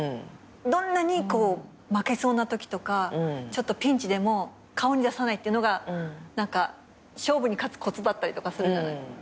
どんなに負けそうなときとかちょっとピンチでも顔に出さないっていうのが何か勝負に勝つコツだったりとかするじゃない。